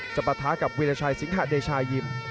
ปะท้ากับวีรชัยสิงหะเดชายิม